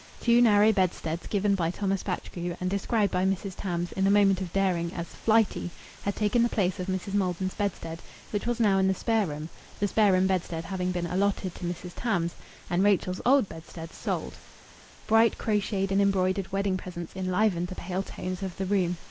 Two narrow bedsteads given by Thomas Batchgrew, and described by Mrs. Tarns, in a moment of daring, as "flighty," had taken the place of Mrs. Maldon's bedstead, which was now in the spare room, the spare room bedstead having been allotted to Mrs. Tams, and Rachel's old bedstead sold. Bright crocheted and embroidered wedding presents enlivened the pale tones of the room.